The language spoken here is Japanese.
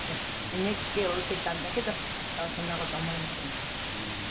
ＮＨＫを受けたんだけどそんな事思いませんでした。